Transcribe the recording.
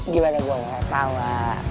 gimana gue malah ketawa